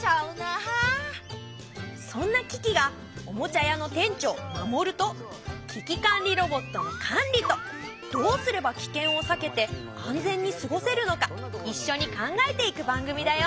そんなキキがおもちゃ屋の店長マモルと危機管理ロボットのカンリとどうすればキケンを避けて安全に過ごせるのかいっしょに考えていく番組だよ。